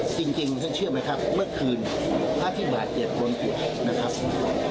จริงฉันเชื่อไหมครับเมื่อคืนพระอาทิบาทเกียรติบนปุ่นนะครับ